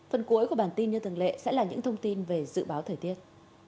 phần cuối của bản tin như thường lệ sẽ là những thông tin về dự báo thời tiết